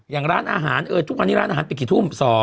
อย่างร้านอาหารทุกวันนี้ร้านอาหารปิดกี่ทุ่ม